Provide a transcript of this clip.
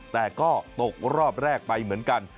แต่ก็ตกรอบแรกไปเหมือนกัน